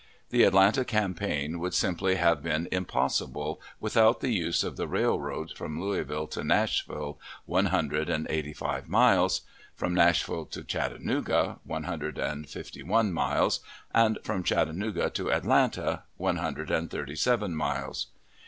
The Atlanta campaign would simply have been impossible without the use of the railroads from Louisville to Nashville one hundred and eighty five miles from Nashville to Chattanooga one hundred and fifty one miles and from Chattanooga to Atlanta one hundred and thirty seven miles.